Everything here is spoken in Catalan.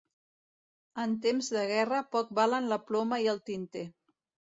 En temps de guerra poc valen la ploma i el tinter.